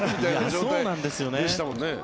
そうなんですよね。